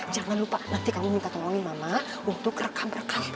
jangan lupa nanti kami minta tolongin mama untuk rekam berkah